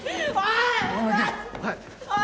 はい！